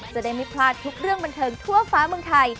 จะได้ไม่พลาดทุกเรื่องบันเทิงทั่วฟ้าเมืองไทย